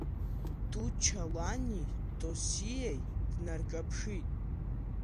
Туча лани Тосиеи днарҿаԥшит.